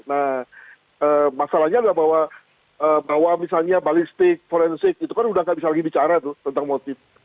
nah masalahnya adalah bahwa misalnya balistik forensik itu kan udah nggak bisa lagi bicara tentang motif